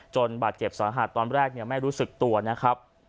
บาดเจ็บสาหัสตอนแรกไม่รู้สึกตัวนะครับ